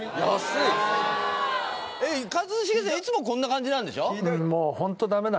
一茂さんいつもこんな感じなんでしょ？